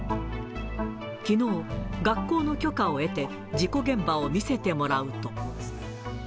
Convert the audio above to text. きのう、学校の許可を得て、事故現場を見せてもらうと。